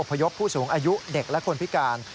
พยพผู้สูงอายุเด็กและคนพิการ